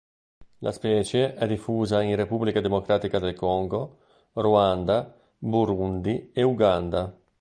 La specie è diffusa in Repubblica Democratica del Congo, Ruanda, Burundi e Uganda.